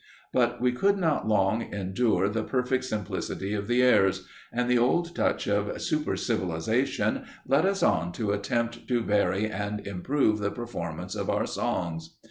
But we could not long endure the perfect simplicity of the airs, and the old touch of supercivilization led us on to attempt to vary and improve the performance of our songs.